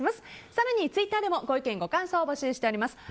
更にツイッターでもご意見、ご感想を募集しています。